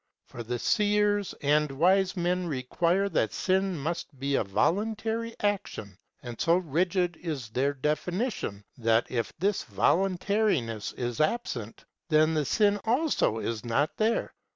For the Seers and Wise Men require that sin must be a voluntary action, and so rigid is their definition that if this voluntariness is absent then the sin also is not there.